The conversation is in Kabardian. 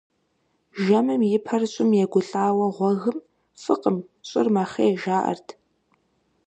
Жэмым и пэр щӀым егулӀауэ гъуэгым, фӀыкъым, щӀыр мэхъей, жаӀэрт.